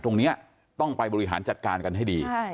ตรงนี้ต้องไปบริหารจัดการกันให้ดี